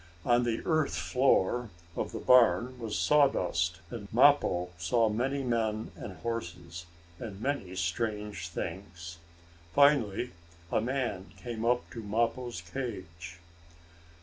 On the earth floor of the barn was sawdust, and Mappo saw many men and horses, and many strange things. Finally a man came up to Mappo's cage.